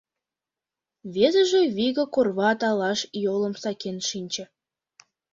Весыже вигак орва талаш йолым сакен шинче.